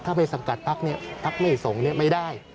ถ้าไปสังกัดพักเนี่ยพักไม่ส่งไม่ได้